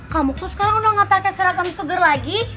kamu tuh sekarang udah gak pake seragam sugar lagi